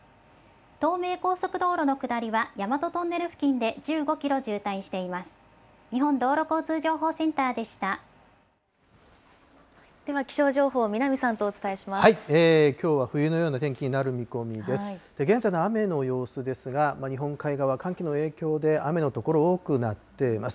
東名高速道路の下りは、大和トンネル付近で１５キロ渋滞しています。